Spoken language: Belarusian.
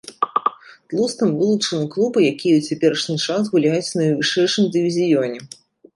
Тлустым вылучаны клубы, якія ў цяперашні час гуляюць ў найвышэйшым дывізіёне.